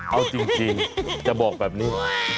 เอาจริงจะบอกแบบนี้